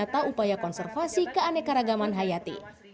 serta upaya konservasi keanekaragaman hayati